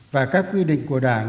và các quy định của đảng